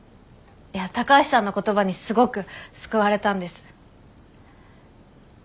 いや高橋さんの言葉にすごく救われたんです。